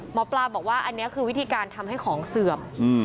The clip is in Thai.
หมอปลาบอกว่าอันนี้คือวิธีการทำให้ของเสื่อม